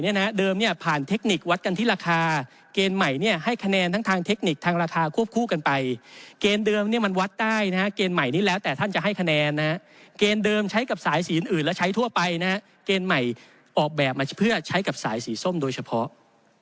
เดิมเนี่ยผ่านเทคนิควัดกันที่ราคาเกณฑ์ใหม่เนี่ยให้คะแนนทั้งทางเทคนิคทางราคาควบคู่กันไปเกณฑ์เดิมเนี่ยมันวัดได้นะฮะเกณฑ์ใหม่นี้แล้วแต่ท่านจะให้คะแนนนะฮะเกณฑ์เดิมใช้กับสายสีอื่นและใช้ทั่วไปนะฮะเกณฑ์ใหม่ออกแบบมาเพื่อใช้กับสายสีส้มโดยเฉพาะ